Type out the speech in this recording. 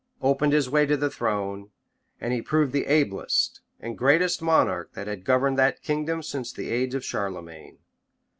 } opened his way to the throne; and he proved the ablest and greatest monarch that had governed that kingdom since the age of Charlemagne.